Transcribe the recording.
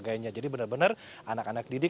dan yang sebenarnya masalah ini